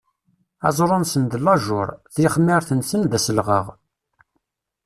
Aẓru-nsen d llajuṛ, tixmiṛt-nsen d aselɣaɣ.